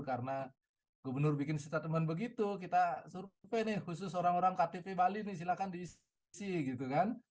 karena gubernur bikin statement begitu kita survei nih khusus orang orang ktp bali nih silahkan diisi gitu kan